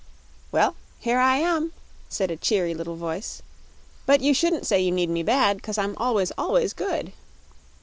"Well, here I am," said a cheery little voice; "but you shouldn't say you need me bad, 'cause I'm always, ALWAYS, good."